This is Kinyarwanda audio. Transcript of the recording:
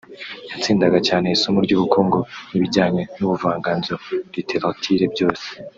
yatsindaga cyane isomo ry’ubukungu n’ibijyanye n’ubuvanganzo (literature) byose